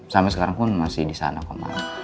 sampai sekarang pun masih di sana kemarin